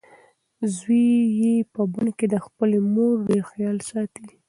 زوی یې په بن کې د خپلې مور ډېر خیال ساتي.